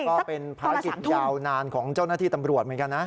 ก็เป็นภารกิจยาวนานของเจ้าหน้าที่ตำรวจเหมือนกันนะ